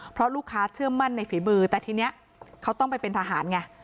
เพราะลูกค้าเชื่อมั่นในฝีมือแต่ทีนี้เขาต้องไปเป็นทหารไง